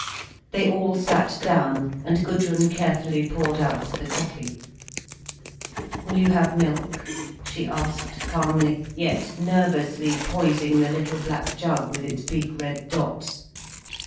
They all sat down, and Gudrun carefully poured out the coffee. "Will you have milk?" she asked calmly, yet nervously poising the little black jug with its big red dots.